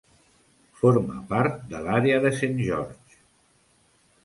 Forma part de l"àrea de Saint George.